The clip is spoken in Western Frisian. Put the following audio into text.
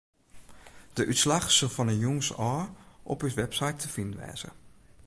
De útslach sil fan 'e jûns ôf op ús website te finen wêze.